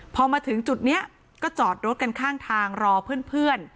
พอมาถึงจุดนี้ก็จอดรถกันข้างทางรอเพื่อน